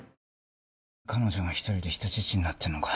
彼女が１人で人質になっているのか。